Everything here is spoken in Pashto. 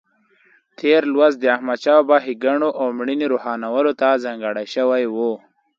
تېر لوست د احمدشاه بابا ښېګڼو او مړینې روښانولو ته ځانګړی شوی و.